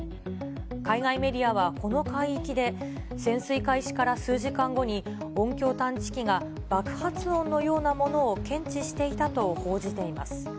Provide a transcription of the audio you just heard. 海外メディアはこの海域で、潜水開始から数時間後に音響探知機が爆発音のようなものを検知していたと報じています。